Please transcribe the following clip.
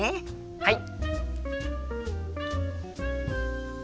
はい！